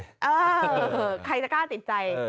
เออใครจะกล้าติดใจ